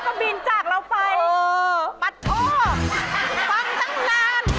อ๋อเขาก็บินจากเราไปปัดโธ่ฟังตั้งนาน